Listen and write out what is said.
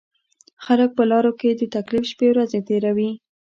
خلک په لارو کې د تکلیف شپېورځې تېروي.